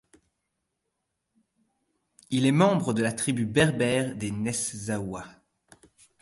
Il est membre de la tribu berbère des Nefzaouas.